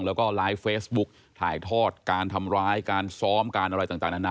แล้วก็ไลฟ์เฟซบุ๊กถ่ายทอดการทำร้ายการซ้อมการอะไรต่างนานา